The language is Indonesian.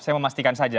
saya memastikan saja